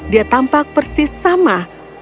dia tampak persis sama